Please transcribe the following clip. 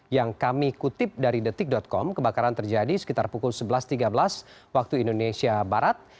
yang kami kutip dari detik com kebakaran terjadi sekitar pukul sebelas tiga belas waktu indonesia barat